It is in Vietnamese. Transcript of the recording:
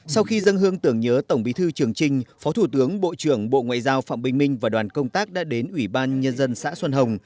sau khi dân hương tưởng nhớ tổng bí thư trường trinh phó thủ tướng bộ trưởng bộ ngoại giao phạm bình minh và đoàn công tác đã đến ủy ban nhân dân xã xuân hồng